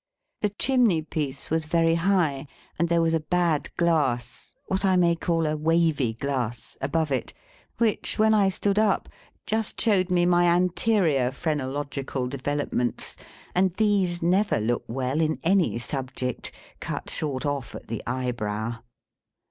The chimney piece was very high, and there was a bad glass what I may call a wavy glass above it, which, when I stood up, just showed me my anterior phrenological developments, and these never look well, in any subject, cut short off at the eyebrow.